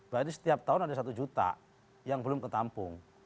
berarti setiap tahun ada satu juta yang belum ketampung